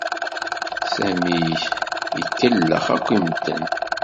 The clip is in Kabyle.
Sami ikellex akk i medden.